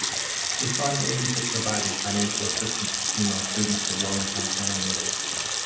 The fund aims at providing financial assistance to female students of low income families.